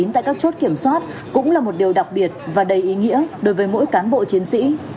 tại các chốt kiểm soát cũng là một điều đặc biệt và đầy ý nghĩa đối với mỗi cán bộ chiến sĩ